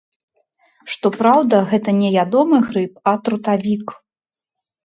Што праўда, гэта не ядомы грыб, а трутавік.